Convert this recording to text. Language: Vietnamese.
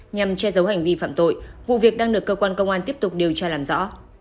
nhằm che giấu hành vi phạm tội vụ việc đang được cơ quan công an tiếp tục điều tra làm rõ